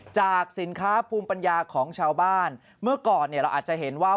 จากสินค้าภูมิปัญญาของชาวบ้านเมื่อก่อนเนี่ยเราอาจจะเห็นว่า